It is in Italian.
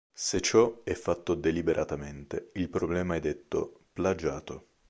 Se ciò è fatto deliberatamente il problema è detto "plagiato".